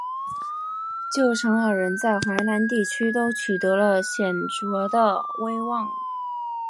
舅甥二人在淮南地区都取得了显着的威望。